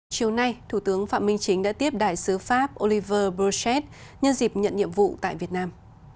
chiều nay thủ tướng phạm minh chính đã tiếp đại sứ pháp oliver bruchette nhân dịp nhận nhiệm vụ tại việt nam